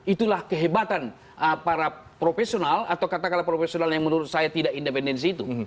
itulah kehebatan para profesional atau katakanlah profesional yang menurut saya tidak independensi itu